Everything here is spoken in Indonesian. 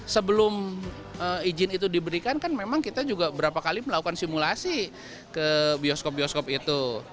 sebelum izin itu diberikan kan memang kita juga berapa kali melakukan simulasi ke bioskop bioskop itu